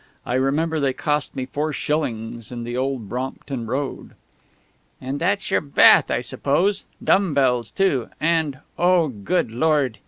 I remember they cost me four shillings in the old Brompton Road. "And that's your bath, I suppose.... Dumb bells too.... And _oh, good Lord!